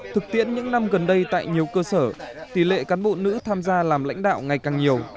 thực tiễn những năm gần đây tại nhiều cơ sở tỷ lệ cán bộ nữ tham gia làm lãnh đạo ngày càng nhiều